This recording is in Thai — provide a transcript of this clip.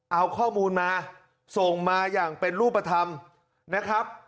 เอาข้อมูลมาส่งมาอย่างเป็นรูปธรรมนะครับ